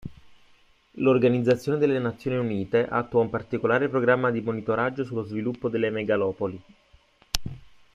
L'Organizzazione delle Nazioni Unite attua un particolare programma di monitoraggio sullo sviluppo delle megalopoli.